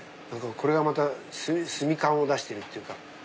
これがまた炭感を出してるっていうか。